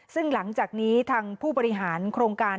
ซึ่งหลังจากนี้ทางผู้บริหารโครงการ